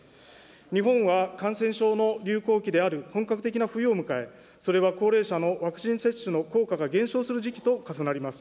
日本は感染症の流行期である本格的な冬を迎え、それは高齢者のワクチン接種の効果が減少する時期と重なります。